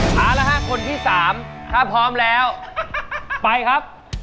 เอาละฮะคนที่๓ถ้าพร้อมแล้วไปครับ